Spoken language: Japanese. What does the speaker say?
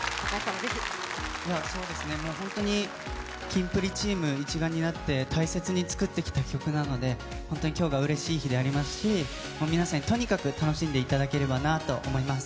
本当にキンプリチーム一丸になって大切に作ってきた曲なので本当に今日はうれしい日でありますし、皆さんに楽しんでいただければなと思います。